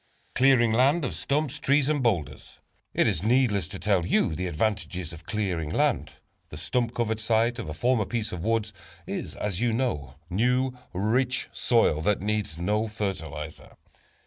= Clearing Land of Stumps, Boulders and Trees. It is needless to tell you the advantages of clearing land. The stump covered site of a former piece of woods, is, as you know, new, rich soil that needs no fertilizer.